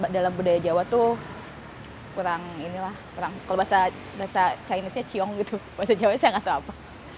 dalam budaya jawa tuh kurang kalau bahasa chinese nya ciong gitu bahasa jawa saya gak tau apa